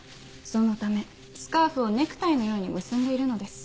そのためスカーフをネクタイのように結んでいるのです。